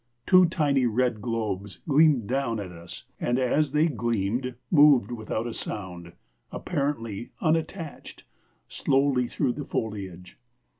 Two tiny red globes gleamed down at us, and as they gleamed, moved without a sound, apparently unattached, slowly through the foliage.